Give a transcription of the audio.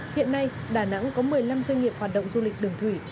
hiện nay đà nẵng có một mươi năm doanh nghiệp hoạt động du lịch đường thủy